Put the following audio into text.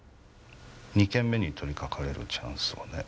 ２件目に取りかかれるチャンスをね。